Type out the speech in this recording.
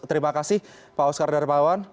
terima kasih pak oskar darmawan